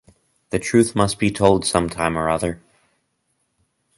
The truth must be told some time or other.